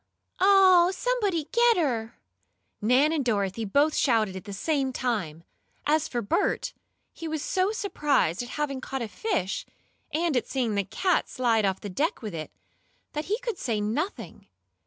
"Oh, somebody get her!" Nan and Dorothy both shouted at the same time. As for Bert, he was so surprised at having caught a fish, and at seeing the cat slide off the deck with it, that he could say nothing.